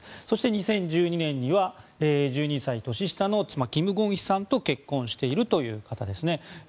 そして２０１２年には１２歳年下の妻キム・ゴンヒさんと結婚しているという方ですね。